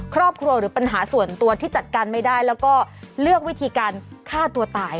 ครอบครัวหรือปัญหาส่วนตัวที่จัดการไม่ได้แล้วก็เลือกวิธีการฆ่าตัวตาย